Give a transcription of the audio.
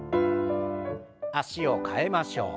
脚を替えましょう。